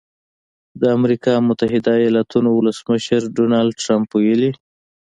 د امریکا متحده ایالتونو ولسمشر ډونالډ ټرمپ ویلي